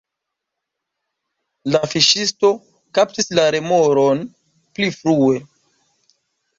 La fiŝisto kaptis la remoron pli frue.